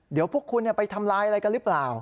เดี๋ยวพวกคุณไปทำลายอะไรกันหรือเปล่า